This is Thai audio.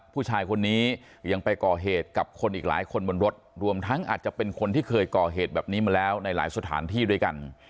ผู้ชายคนนี้ยังไปก่อเหตุกับคนอีกหลายคนบนรถรวมทั้งอาจจะเป็นคนที่เคยก่อเหตุแบบนี้มาแล้วในหลายสถานที่ด้วยกัน